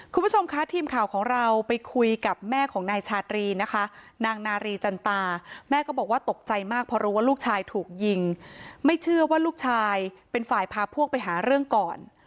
คุณผู้ชมคะทีมข่าวของเราไปคุยกับแม่ของนายชาตรีนะคะนางนารีจันตาแม่ก็บอกว่าตกใจมากเพราะรู้ว่าลูกชายถูกยิงไม่เชื่อว่าลูกชายเป็นฝ่ายพาพวกไปหาเรื่องก่อน